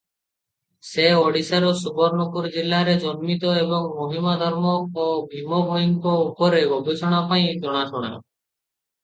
ସେ ଓଡ଼ିଶାର ସୁବର୍ଣ୍ଣପୁର ଜିଲ୍ଲାରେ ଜନ୍ମିତ ଏବଂ ମହିମା ଧର୍ମ ଓ ଭୀମ ଭୋଇଙ୍କ ଉପରେ ଗବେଷଣା ପାଇଁ ଜଣାଶୁଣା ।